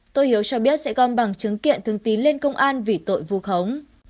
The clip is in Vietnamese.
tô hiếu cho biết sẽ gom bằng chứng kiện thường tín lên công an vì tội vu khống